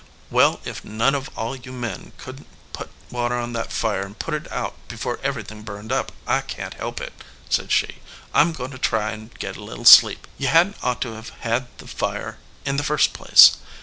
"Well, if none of all you men couldn t put water on that fire and put it out before everything burned up, I can t help it," said she. "I m goin to try and get a little sleep. You hadn t ought to have had the fire in the first place.